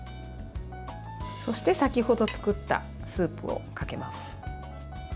そして先程作ったスープをかけます。